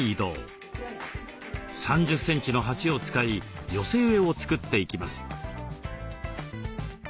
３０センチの鉢を使い寄せ植えを作っていきます。